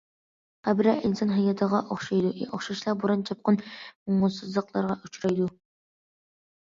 قەبرە ئىنسان ھاياتىغا ئوخشايدۇ، ئوخشاشلا بوران- چاپقۇن، ئوڭۇشسىزلىقلارغا ئۇچرايدۇ.